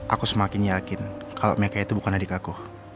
aku semakin yakin kalau mereka itu bukan adik aku